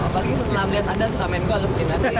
paling setelah melihat anda suka main golf